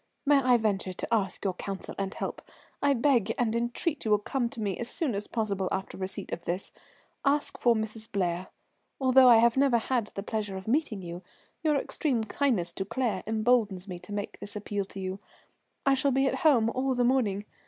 "May I venture to ask your counsel and help? I beg and entreat you will come to me as soon as possible after receipt of this. Ask for Mrs. Blair. Although I have never had the pleasure of meeting you, your extreme kindness to Claire emboldens me to make this appeal to you. I shall be at home all the morning.